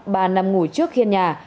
bà nằm ngủ trước khiên nhà